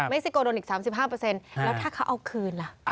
ซิโกโดนอีก๓๕แล้วถ้าเขาเอาคืนล่ะ